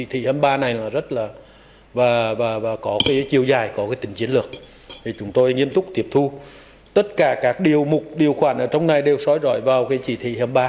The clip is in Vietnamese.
thì chúng tôi nghiêm túc tiếp thu tất cả các điều mục điều khoản ở trong này đều xói rõi vào cái chỉ thị hầm ba